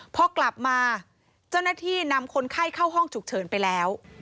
พอกลับมาเจ้าหน้าที่นำคนไข้เข้าห้องฉุกเฉินไปแล้ว